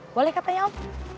boleh katanya om